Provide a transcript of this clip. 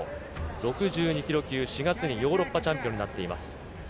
６２キロ級、４月にヨーロッパチャンピオンになっています。